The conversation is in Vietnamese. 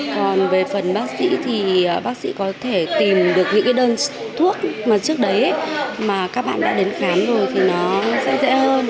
còn về phần bác sĩ thì bác sĩ có thể tìm được những cái đơn thuốc mà trước đấy mà các bạn đã đến khám rồi thì nó sẽ dễ hơn